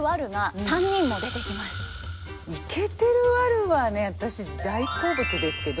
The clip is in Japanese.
イケてるワルはね私大好物ですけど。